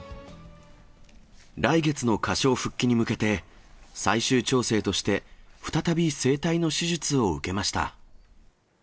来月の歌唱復帰に向けて、最終調整として、再び声帯の手術を受けました。